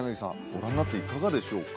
ご覧になっていかがでしょうか？